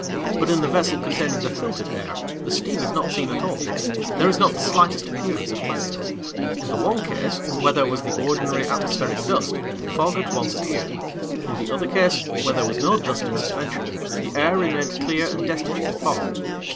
But in the vessel containing the filtered air, the steam is not seen at all; there is not the slightest appearance of cloudiness. In the one case, where there was the ordinary atmospheric dust, fog at once appeared; in the other case, where there was no dust in suspension, the air remained clear and destitute of fog.